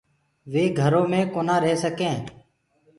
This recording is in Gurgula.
وي گھرو مي ڪونآ رهي سڪينٚ